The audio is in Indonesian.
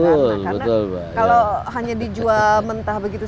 karena kalau hanya dijual mentah begitu